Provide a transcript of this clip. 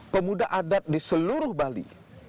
pemuda adat di seluruh bali